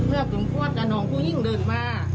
เลือกถึงขวดก็น้องคู่ยิ่งเดินมา